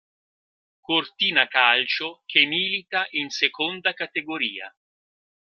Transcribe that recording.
Cortina Calcio che milita in Seconda Categoria.